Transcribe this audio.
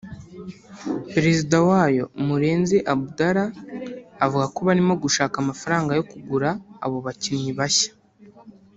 Perezida wayo Murenzi Abdallah avuga ko barimo gushaka amafaranga yo kugura abo bakinnyi bashya